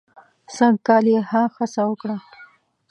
سږ کال یې ښه هڅه وکړه.